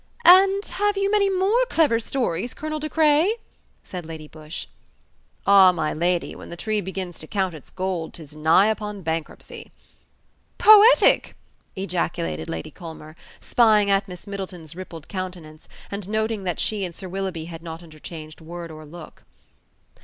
"And have you many more clever stories, Colonel De Craye?" said Lady Busshe. "Ah! my lady, when the tree begins to count its gold 'tis nigh upon bankruptcy." "Poetic!" ejaculated Lady Culmer, spying at Miss Middleton's rippled countenance, and noting that she and Sir Willoughby had not interchanged word or look.